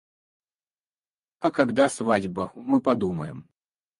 А когда свадьба, мы подумаем.